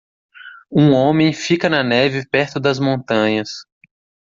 Um homem fica na neve perto das montanhas.